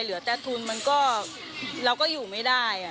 เหลือแต่ทุนมันก็เราก็อยู่ไม่ได้